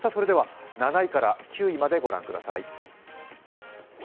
７位から９位まで御覧ください。